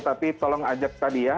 tapi tolong ajak tadi ya